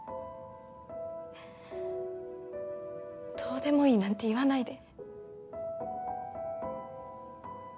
どうでもいいなんて言わないで。